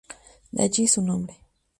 De allí su nombre.